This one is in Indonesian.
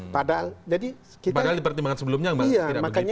padahal di pertimbangan sebelumnya mbak tidak begitu